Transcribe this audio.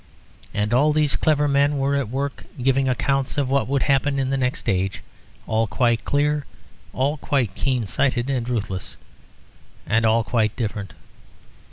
And all these clever men were at work giving accounts of what would happen in the next age, all quite clear, all quite keen sighted and ruthless, and all quite different.